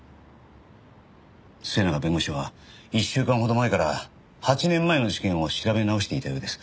末永弁護士は１週間ほど前から８年前の事件を調べ直していたようです。